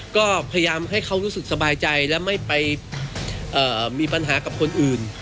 ก็พยายามให้เขารู้สึกสบายใจและไม่ไปมีปัญหากับคนอื่น